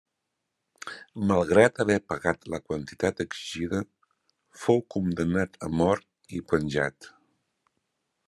Malgrat haver pagat la quantitat exigida, fou condemnat a mort i penjat.